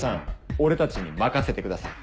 俺たちに任せてください。